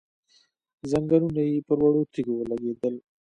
ځنګنونه يې پر وړو تيږو ولګېدل،